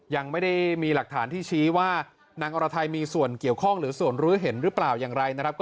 ยังไม่ได้มีหลักฐานที่ชี้ว่านางอรไทยมีส่วนเกี่ยวข้อง